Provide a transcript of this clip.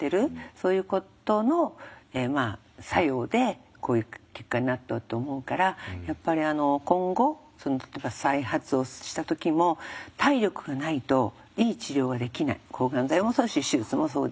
そういうことの作用でこういう結果になったと思うからやっぱり今後例えば再発をした時も抗がん剤もそうですし手術もそうです。